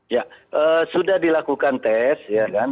ya sudah dilakukan tes ya kan